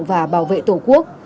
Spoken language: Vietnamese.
và bảo vệ tổ quốc